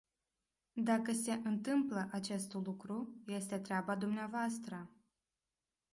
Dacă se întâmplă acest lucru, este treaba dvs.